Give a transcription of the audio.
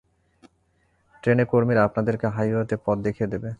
ট্রেনের কর্মীরা আপনাদেরকে হাইওয়েতে পথ দেখিয়ে দেবে!